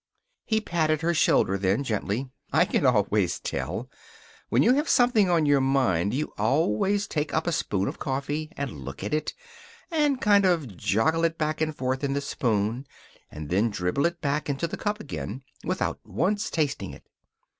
He patted her shoulder then, gently. "I can always tell. When you have something on your mind you always take up a spoon of coffee, and look at it, and kind of joggle it back and forth in the spoon, and then dribble it back into the cup again, without once tasting it.